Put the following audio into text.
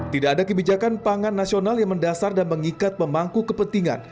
tidak ada kebijakan pangan nasional yang mendasar dan mengikat pemangku kepentingan